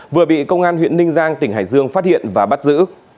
vừa bị công an huyện ninh giang tỉnh hải dương phát hiện và bắt giữ